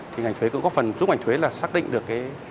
thì ngành thuế cũng có phần giúp ngành thuế xác định được